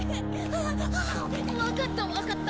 わかったわかった。